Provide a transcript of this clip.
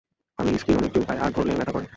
আমি স্কিন অনেক চুলকায় আর ধরলে ব্যথা করে।